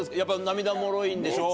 涙もろいんでしょ？